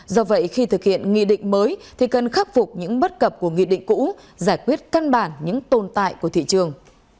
do vậy khi thực hiện nghị định mới thì cần khắc phục những bất cập của nghị định cũ giải quyết căn bản những tồn tại của thị trường